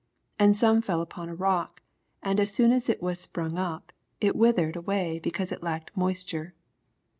6 And some fell upon a rock ; and as soon as it was spmnff up, it with ered away because it lacKed moisture.